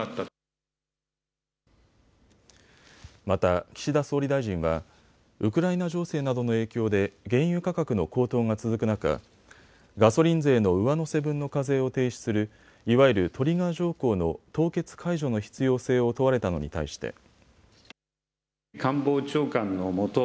また、岸田総理大臣はウクライナ情勢などの影響で原油価格の高騰が続く中、ガソリン税の上乗せ分の課税を停止するいわゆるトリガー条項の凍結解除の必要性を問われたのに対して。